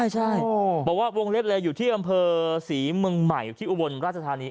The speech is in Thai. ใช่บอกว่าวงเล็บเลยอยู่ที่อำเภอศรีเมืองใหม่อยู่ที่อุบลราชธานี